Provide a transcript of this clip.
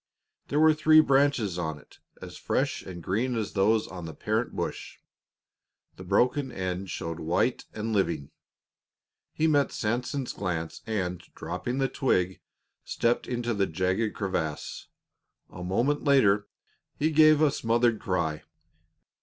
There were three leaves on it, as fresh and green as those on the parent bush; the broken end showed white and living. He met Sanson's glance and, dropping the twig, stepped into the jagged crevice. A moment later he gave a smothered cry.